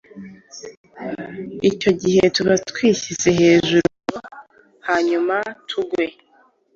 icyo gihe tuba twishyize hejuru ngo hanyuma tugwe.